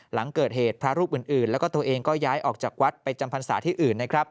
หลังเกิดเหตุพระรูปอื่นแล้วก็ตัวเองก็ย้ายออกจากวัดไปจำพรรษาที่อื่นนะครับ